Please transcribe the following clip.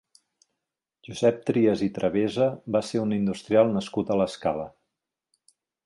Josep Trias i Travesa va ser un industrial nascut a l'Escala.